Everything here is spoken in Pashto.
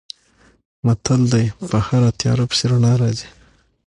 متل دی: په هره تیاره پسې رڼا راځي.